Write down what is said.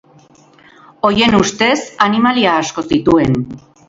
Horien ustez, animalia asko zituen.